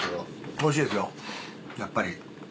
おいしいですよやっぱり。